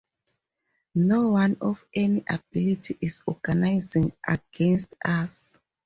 No one of any ability is organising against us.